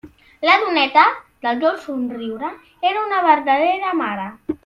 La doneta del dolç somriure era una verdadera mare.